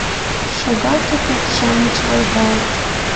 Шогат у пӧрт-шамыч волгалт.